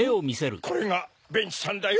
これがベンチさんだよ